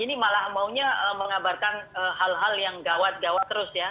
ini malah maunya mengabarkan hal hal yang gawat gawat terus ya